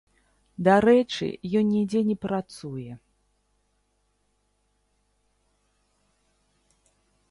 Дарэчы, ён нідзе не працуе.